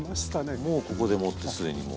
もうここでもって既にもう。